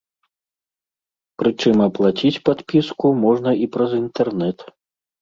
Прычым аплаціць падпіску можна і праз інтэрнэт.